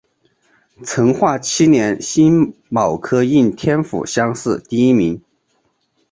成化七年辛卯科应天府乡试第一名。